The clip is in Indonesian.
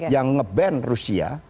yang nge ban rusia